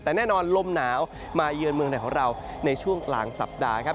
แต่แน่นอนลมหนาวมาเยือนเมืองไทยของเราในช่วงกลางสัปดาห์ครับ